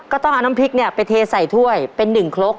ก็ต้องเอาน้ำพริกไปเทใส่ถ้วยเป็น๑คลก